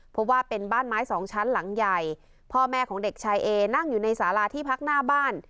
เพราะว่าเป็นบ้านไม้สองชั้นหลังใหญ่พ่อแม่ของเด็กชายเอนั่งอยู่ในสาราที่พักหน้าบ้าน